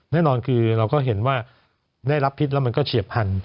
แน่นอนคือเราก็เห็นว่าได้รับพิษแล้วมันก็เฉียบพันธุ